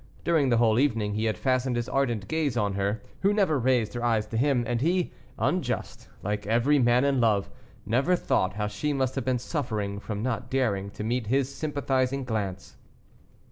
During the whole evening he had fastened his ardent gaze on her, who never raised her eyes to him, and he, unjust, like every man in love, never thought how she must have been suffering from not daring to meet his sympathizing glance.